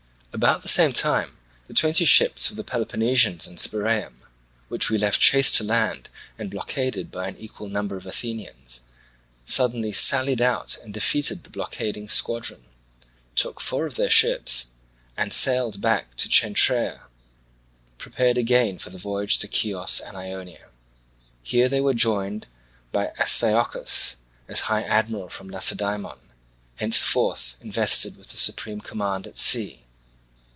About the same time the twenty ships of the Peloponnesians in Spiraeum, which we left chased to land and blockaded by an equal number of Athenians, suddenly sallied out and defeated the blockading squadron, took four of their ships, and, sailing back to Cenchreae, prepared again for the voyage to Chios and Ionia. Here they were joined by Astyochus as high admiral from Lacedaemon, henceforth invested with the supreme command at sea.